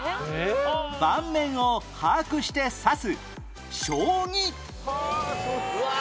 盤面を把握して指す将棋うわ！